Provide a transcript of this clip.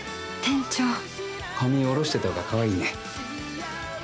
髪おろしてた方がかわいいね。